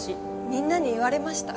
みんなに言われました。